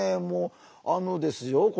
もうあのですよ